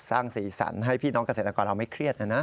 สร้างสีสันให้พี่น้องเกษตรกรเราไม่เครียดนะนะ